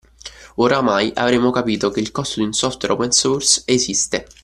Oramai avremo capito che il costo di un software open source esiste